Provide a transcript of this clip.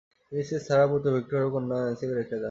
তিনি স্ত্রী সারাহ, পুত্র ভিক্টর ও কন্যা ন্যান্সিকে রেখে যান।